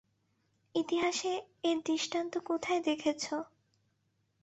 ইতিহাসে এর দৃষ্টান্ত কোথায় দেখেছ?